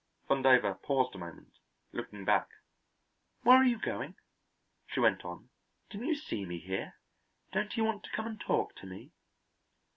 Vandover paused a moment, looking back. "Where are you going?" she went on. "Didn't you see me here? Don't you want to come and talk to me?"